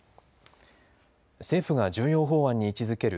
政府が重要法案に位置づける